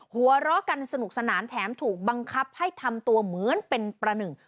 หัวเราะกันสนุกสนานแถมถูกบังคับให้ทำตัวเหมือนเป็นประหนึ่ง